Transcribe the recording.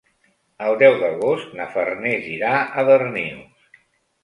El deu d'agost na Farners irà a Darnius.